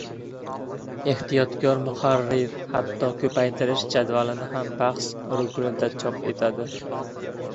— Ehtiyotkor muharrir hatto ko‘paytirish jadvalini ham bahs ruknida chop etadi.